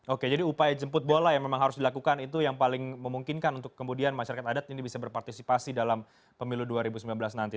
oke jadi upaya jemput bola yang memang harus dilakukan itu yang paling memungkinkan untuk kemudian masyarakat adat ini bisa berpartisipasi dalam pemilu dua ribu sembilan belas nanti